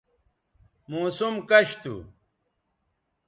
موسم کش تھو